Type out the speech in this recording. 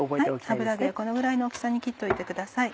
油揚げはこのぐらいの大きさに切っておいてください。